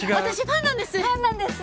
ファンなんです！